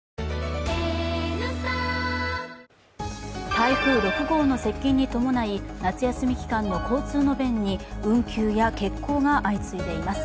台風６号の接近に伴い夏休み期間の交通の便に運休や欠航が相次いでいます。